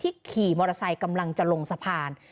ขี่มอเตอร์ไซค์กำลังจะลงสะพาน